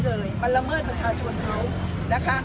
เลยมันละเมิดประชาชนเขานะคะ